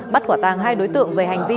bắt quả tàng hai đối tượng về hành vi